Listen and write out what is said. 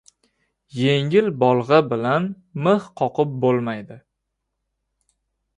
• Yengil bolg‘a bilan mix qoqib bo‘lmaydi.